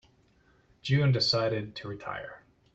June decided to retire.